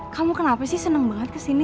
kamu kenapa sih seneng banget kesini